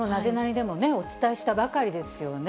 でもね、お伝えしたばかりですよね。